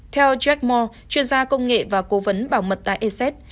theo jack moore chuyên gia công nghệ và cố vấn bảo mật tại eset